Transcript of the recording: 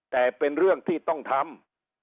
แต่เป็นเรื่องที่ต้องทำ